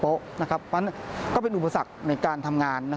เพราะฉะนั้นก็เป็นอุปสรรคในการทำงาน